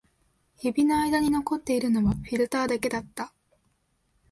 指の間に残っているのはフィルターだけだった